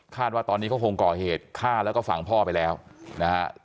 ว่าตอนนี้เขาคงก่อเหตุฆ่าแล้วก็ฝั่งพ่อไปแล้วนะฮะ